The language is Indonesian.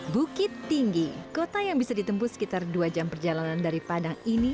bukit tinggi kota yang bisa ditempuh sekitar dua jam perjalanan dari padang ini